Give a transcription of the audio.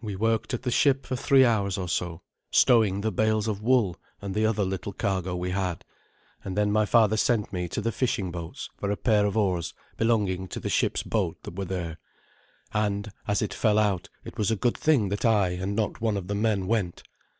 We worked at the ship for three hours or so, stowing the bales of wool and the other little cargo we had; and then my father sent me to the fishing boats for a pair of oars belonging to the ship's boat that were there, and, as it fell out, it was a good thing that I and not one of the men went.